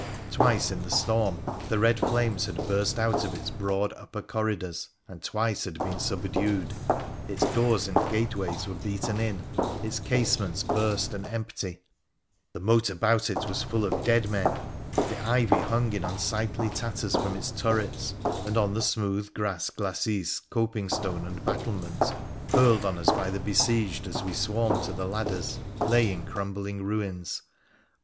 Twice in the storm the red flames had burst out of its broad upper corridors, and twice had been subdued. Its doors and gate ways were beaten in, ita casements burst and empty, the moat i8s WONDERFUL ADVENTURES OF about it was full of dead men, the ivy hung in unsightly tatters from its turrets, and on the smooth grass glacis copingstone and battlement — hurled on us by the besiegedas we swarmed to the ladders — lay in crumbling ruins.